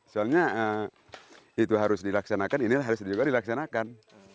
sebenarnya itu harus dilaksanakan ini juga harus dilaksanakan